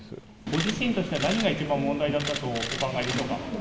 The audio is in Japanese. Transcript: ご自身としては何が一番問題だったとお考えでしょうか。